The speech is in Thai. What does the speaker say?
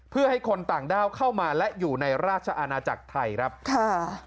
เพื่อให้คนต่างด้าวเข้ามาและอยู่ในราชอาณาจักรไทยครับค่ะ